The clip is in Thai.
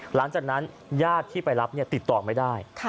หลังจากนั้นญาติที่ไปรับติดต่อไม่ได้